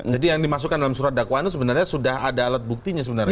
jadi yang dimasukkan dalam surat dakwaan itu sebenarnya sudah ada alat buktinya sebenarnya